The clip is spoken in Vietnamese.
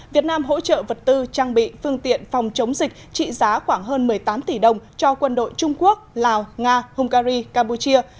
việt nam hỗ trợ vật tư trang bị phương tiện phòng chống dịch trị giá khoảng hơn một mươi tám tỷ đồng cho quân đội trung quốc lào nga hungary campuchia